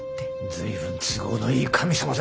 随分都合のいい神様ですね！